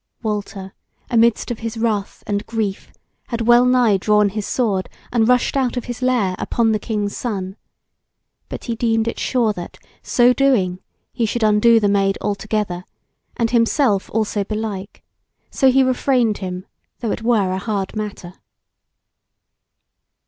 Walter, amidst of his wrath and grief, had wellnigh drawn his sword and rushed out of his lair upon the King's Son. But he deemed it sure that, so doing, he should undo the Maid altogether, and himself also belike, so he refrained him, though it were a hard matter.